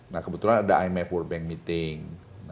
nah kebetulan ada imf world bank meeting